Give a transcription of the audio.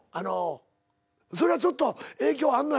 それはちょっと影響あんの？